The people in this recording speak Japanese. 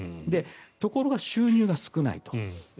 ところが収入が少ないと。